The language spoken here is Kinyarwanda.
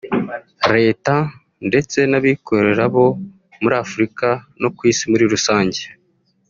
leta ndetse n’abikorera bo muri Afurika no ku isi muri rusange